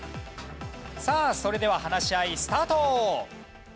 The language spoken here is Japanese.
さあそれでは話し合いスタート！